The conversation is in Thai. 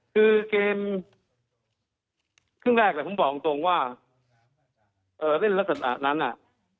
คือเกมขึ้นแรกแต่ผมบอกตรงตรงว่าเอ่อเล่นลักษณะนั้นอ่ะค่ะ